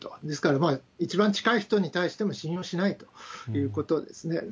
ですから、一番近い人に対しても信用しないということですね。